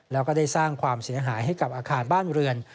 แล้วก็ได้สร้างความเสียหายให้กับอาคารบ้านเรือน